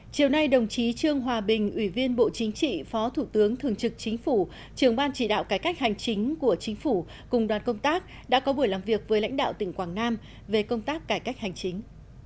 chiều nay đồng chí trương hòa bình ủy viên bộ chính trị phó thủ tướng thường trực chính phủ trường ban chỉ đạo cải cách hành chính của chính phủ cùng đoàn công tác đã có buổi làm việc với lãnh đạo tỉnh quảng nam về công tác cải cách hành chính